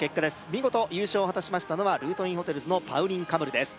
見事優勝を果たしましたのはルートインホテルズのパウリン・カムルです